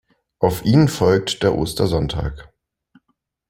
Auf ihn folgt der Ostersonntag.